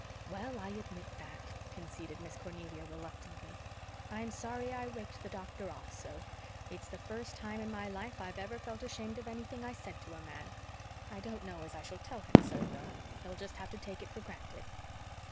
"Well, I admit that," conceded Miss Cornelia reluctantly. "I'm sorry I raked the doctor off so. It's the first time in my life I've ever felt ashamed of anything I said to a man. I don't know as I shall tell him so, though. He'll just have to take it for granted.